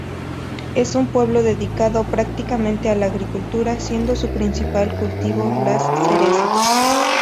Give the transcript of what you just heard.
Es un pueblo dedicado prácticamente a la agricultura, siendo su principal cultivo las cerezas.